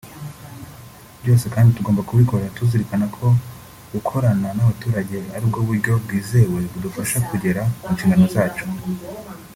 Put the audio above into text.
Byose kandi tugomba kubikora tuzirikana ko gukorana n'abaturage ari bwo buryo bwizewe budufasha kugera ku nshingano zacu”